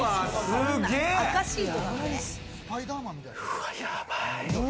うわ、やばい。